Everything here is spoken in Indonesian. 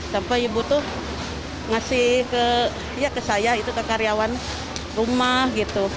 sampai ibu tuh ngasih ke saya itu ke karyawan rumah gitu